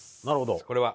これは。